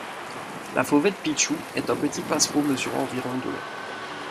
La Fauvette pitchou est un petit passereau mesurant environ de long.